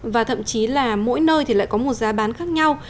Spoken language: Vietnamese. và thậm chí là mỗi nơi thì lại có một giá bán khác nhau